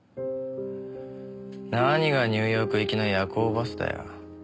何がニューヨーク行きの夜行バスだよ。